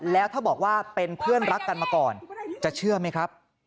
แล้วถ้าบอกว่าเป็นเพื่อนรักกันมาก่อนจะเชื่อไหมครับ